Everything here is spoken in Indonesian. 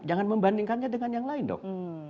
jangan membandingkannya dengan yang lain dok